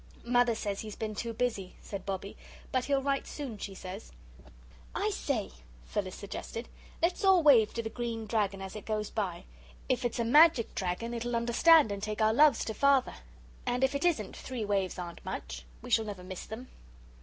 "Mother says he's been too busy," said Bobbie; "but he'll write soon, she says." "I say," Phyllis suggested, "let's all wave to the Green Dragon as it goes by. If it's a magic dragon, it'll understand and take our loves to Father. And if it isn't, three waves aren't much. We shall never miss them."